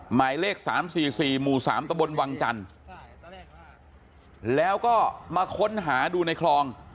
หมายเลข๓๔๔หมู่๓ตะบนวังจันทร์แล้วก็มาค้นหาดูในคลอง